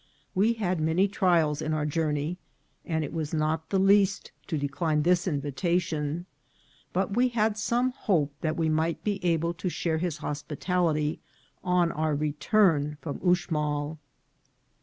We had many trials in our jour ney, and it was not the least to decline this invitation ; but we had some hope that we might be able to share his hospitality on our return from Uxmal.